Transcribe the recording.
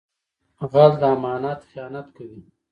غل د امانت خیانت کوي